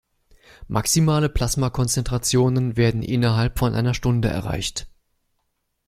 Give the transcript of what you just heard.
Maximale Plasmakonzentrationen werden innerhalb von einer Stunde erreicht.